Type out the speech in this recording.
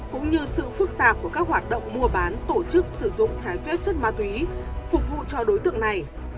cũng như sự phức tạp của các hoạt động mua bán tổ chức sử dụng trái phép chất ma túy phục vụ cho đối tượng này